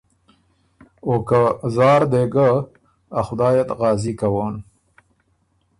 او که زار دې ګۀ ا خدائ ات غازي کوون۔